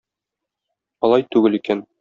Алай түгел икән.